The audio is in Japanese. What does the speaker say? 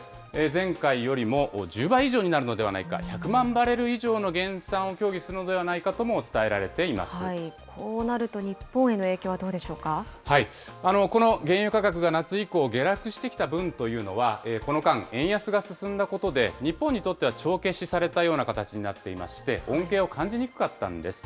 前回よりも１０倍以上になるのではないか、１００万バレル以上の減産を協議するのではないかともこうなると日本への影響はどこの原油価格が夏以降、下落してきた分というのは、この間、円安が進んだことで、日本にとっては帳消しされたような形になっていまして、恩恵を感じにくかったんです。